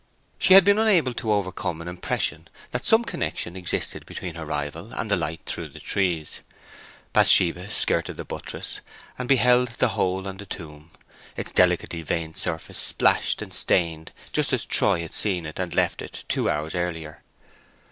She had been unable to overcome an impression that some connection existed between her rival and the light through the trees. Bathsheba skirted the buttress, and beheld the hole and the tomb, its delicately veined surface splashed and stained just as Troy had seen it and left it two hours earlier.